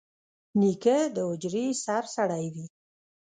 نیکه د حجرې سرسړی وي.